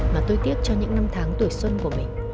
mà tôi tiếc cho những năm tháng tuổi xuân của mình